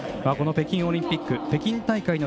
この北京オリンピック北京大会